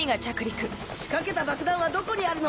仕掛けた爆弾はどこにあるの？